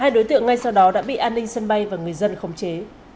hai đối tượng ngay sau đó đã bị an ninh sân bay và người dân khống chế